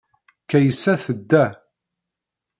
Kaysa tedda.